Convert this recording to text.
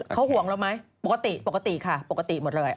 เขาห่วงเราไหมปกติปกติค่ะปกติหมดเลย